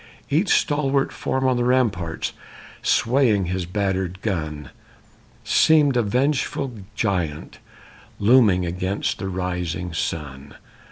Each stalwart form on the ramparts Swaying his battered gun Seemed a vengeful giant, looming Against the rising sun.